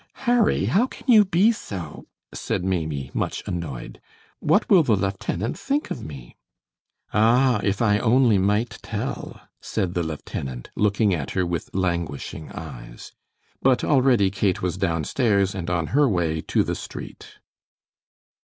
"Harry, how can you be so ?" said Maimie, much annoyed. "What will the lieutenant think of me?" "Ah, if I only might tell!" said the lieutenant, looking at her with languishing eyes. But already Kate was downstairs and on her way to the street.